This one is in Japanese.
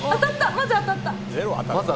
まず当たった！